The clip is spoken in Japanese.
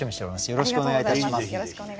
よろしくお願いします。